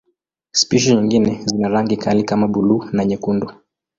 Spishi nyingine zina rangi kali kama buluu na nyekundu.